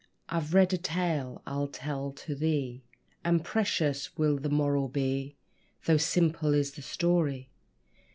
I've read a tale, I'll tell to thee; And precious will the moral be, Though simple is the story.